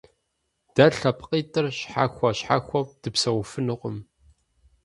Дэ лъэпкъитӀыр щхьэхуэ-щхьэхуэу дыпсэуфынукъым.